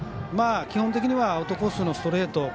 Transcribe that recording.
基本的にはアウトコースのストレート。